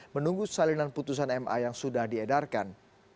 menunggu salinan putusan ma yang sudah diedarkan